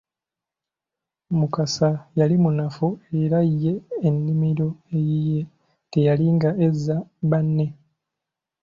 Mukasa yali munafu era ye ennimiro eyiye teyali nga eza banne.